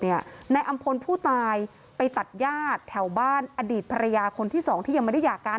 นายอำพลผู้ตายไปตัดญาติแถวบ้านอดีตภรรยาคนที่สองที่ยังไม่ได้หย่ากัน